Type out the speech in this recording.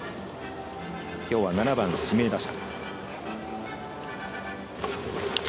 きょうは７番、指名打者。